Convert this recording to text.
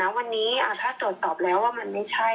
วันนี้ถ้าตรวจสอบแล้วว่ามันไม่ใช่